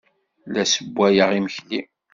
La ssewwayeɣ imekli.